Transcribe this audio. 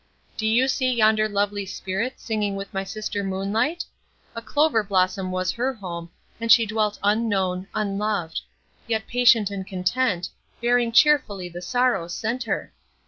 Do you see yonder lovely spirit singing with my sister Moonlight? a clover blossom was her home, and she dwelt unknown, unloved; yet patient and content, bearing cheerfully the sorrows sent her.